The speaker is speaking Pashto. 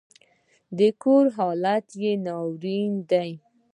د کور حالت يې ناوړه دی.